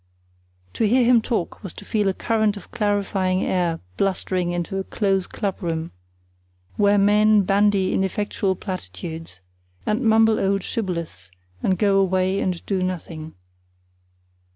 To hear him talk was to feel a current of clarifying air blustering into a close club room, where men bandy ineffectual platitudes, and mumble old shibboleths, and go away and do nothing.